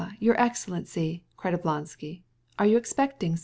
your excellency!" cried Oblonsky, "whom are you meeting?"